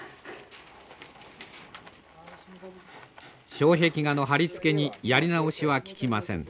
障壁画の貼り付けにやり直しは利きません。